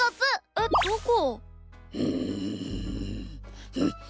えっどこ？